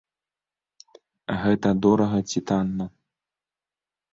Гэта дорага ці танна?